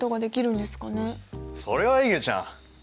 それはいげちゃん。